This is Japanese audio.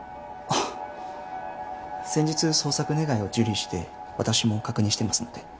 あっ先日捜索願いを受理して私も確認してますので。